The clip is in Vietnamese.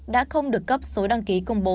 đã không được cấp số đăng ký công bố